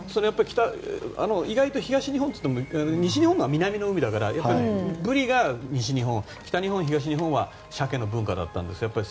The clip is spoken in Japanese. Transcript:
意外と東日本といっても西日本が南の海だからブリが西日本で北日本とか東日本はシャケの文化だったんだけど。